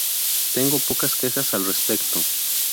Tengo pocas quejas al respecto".